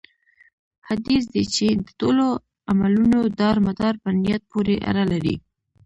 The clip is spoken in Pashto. حديث دی چې: د ټولو عملونو دار مدار په نيت پوري اړه لري